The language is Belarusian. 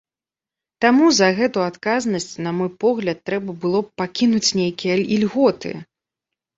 Таму за гэту адказнасць, на мой погляд, трэба было б пакінуць нейкія ільготы.